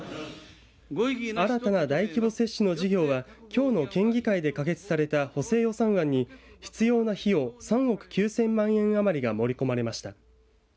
新たな大規模接種の事業はきょうの県議会で可決された補正予算案に必要な費用３億９０００万円余りが盛り込まれました。